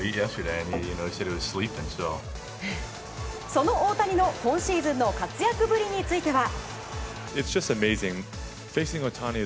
その大谷の今シーズンの活躍ぶりについては。